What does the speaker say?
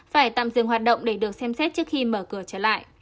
phải tạm dừng hoạt động để được xem xét trước khi mở cửa trở lại